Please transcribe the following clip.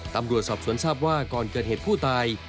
ตำรวจสอบสวนทราบว่าก่อนเกิดเหตุผู้ตาย